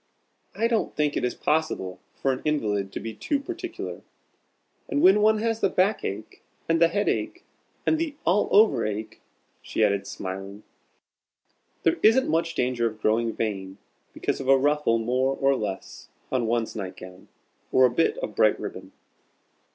I don't think it is possible for an invalid to be too particular. And when one has the back ache, and the head ache, and the all over ache," she added, smiling, "there isn't much danger of growing vain because of a ruffle more or less on one's night gown, or a bit of bright ribbon."